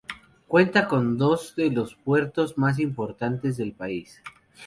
Cuenta con dos de los puertos más importantes del país.